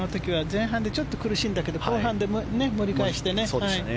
前半で苦しんだけど後半で盛り返してね。